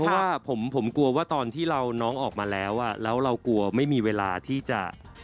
เพราะว่าผมกลัวว่าตอนที่เราน้องออกมาแล้วแล้วเรากลัวไม่มีเวลาที่จะ